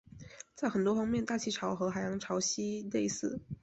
在很多方面大气潮和海洋潮汐类似。